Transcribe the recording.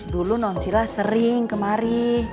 dulu non sila sering kemari